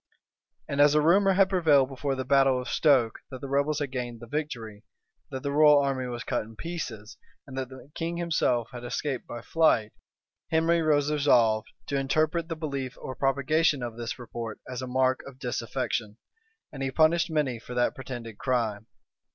And as a rumor had prevailed before the battle of Stoke, that the rebels had gained the victory, that the royal army was cut in pieces, and that the king himself had escaped by flight, Henry was resolved to interpret the belief or propagation of this report as a mark of disaffection; and he punished many for that pretended crime.